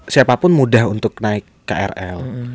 siapapun mudah untuk naik krl